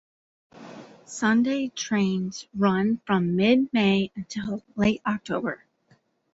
Sunday trains run from mid-May until late October.